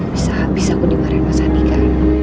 bisa aku dengarin mas andika